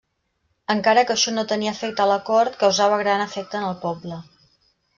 Encara que això no tenia efecte a la cort, causava gran efecte en el poble.